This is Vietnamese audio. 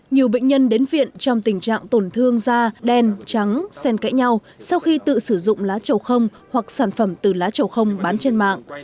nhiều bệnh nhân đến viện trong tình trạng tổn thương da đen trắng sen kẽ nhau sau khi tự sử dụng lá trầu không hoặc sản phẩm từ lá trầu không bán trên mạng